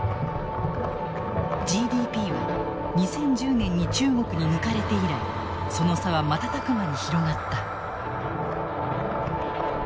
ＧＤＰは２０１０年に中国に抜かれて以来その差は瞬く間に広がった。